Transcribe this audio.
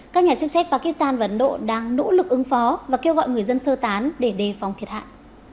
các nhà chức trách pakistan và ấn độ đang nỗ lực ứng phó và kêu gọi người dân sơ tán để đề phòng thiệt hại